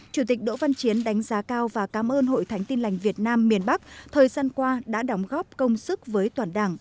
chủ tịch đỗ văn chiến đánh giá cao và cảm ơn hội thánh tin lành việt nam miền bắc thời gian qua đã đóng góp công sức với toàn đảng